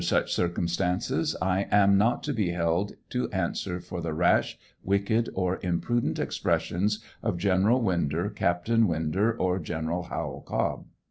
such circumstances, I ain not to be held to answer for the rash, wicked, or im prudent expressions of General Winder, Captain Winder, or General Howel Cobb.